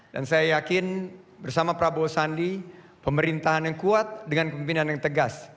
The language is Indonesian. dan saya yakin bersama prabowo sandi pemerintahan yang kuat dengan pimpinan yang tegas